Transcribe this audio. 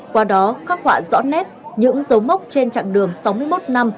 qua đó khắc họa rõ nét những dấu mốc trên chặng đường sáu mươi một năm